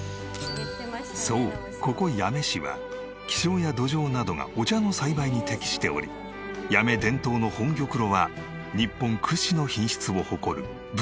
そうここ八女市は気象や土壌などがお茶の栽培に適しており八女伝統の本玉露は日本屈指の品質を誇るブランド銘茶。